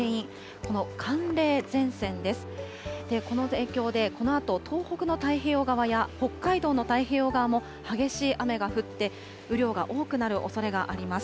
この影響で、このあと東北の太平洋側や北海道の太平洋側も激しい雨が降って、雨量が多くなるおそれがあります。